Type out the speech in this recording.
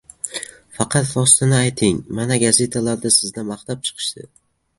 Faqat rostini ayting: mana, gazetalarda sizni maqtab chiqishadi.